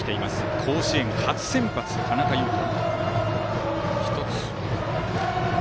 甲子園初先発、田中優飛。